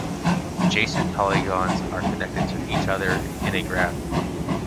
Adjacent polygons are connected to each other in a graph.